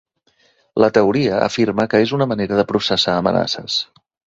La teoria que afirma que és una manera de processar amenaces.